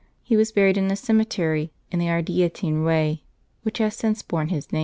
He was buried in a cemetery in the Ardeatine Way, which has since borne his name.